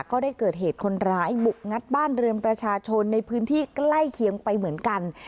ก็ได้เกิดเหตุคนร้ายบุกงัดบ้านเรือนประชาชนในพื้นที่ใกล้เคียงไปเหมือนกัน